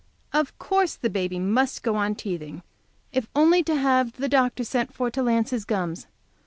Of course the baby must go on teething if only to have the doctor sent for to lance his gums.